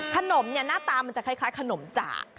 ขนมเนี่ยหน้าตามันจะคล้ายขนมจาก